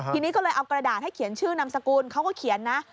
ทีนี้ก็เลยเอากระดาษให้เขียนชื่อนามสกุลเขาก็เขียนนะ